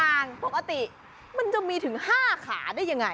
ปกติมันจะมีถึง๕ขาได้ยังไง